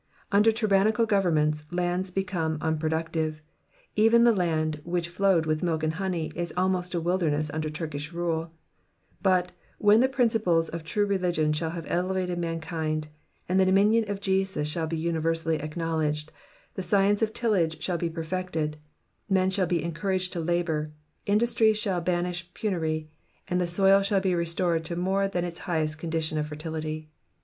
Under tyrannical governments lands become unproductive ; even the land which flowed with milk and honey is almost a wilderness under Turkish rule ; but, when the principles of true religion shall have elevated mankind, and the dominion of Jesus shall be universally acknow ledged, the science of tillage shall be perfected, men shall be encouraged to labour, industry shall banish penury, and the soil shall be restored to more than its highest condition of fertility.